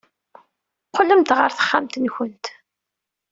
Qqlemt ɣer texxamt-nwent.